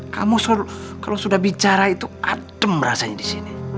kamu kalau sudah bicara itu adem rasanya di sini